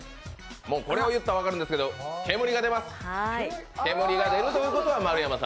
これを言ったら分かるんですけど、煙が出ます。